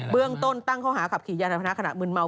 เบื้องต้นตั้งเขาหาขับขี่ยาธรรมนาขณะมึนเมา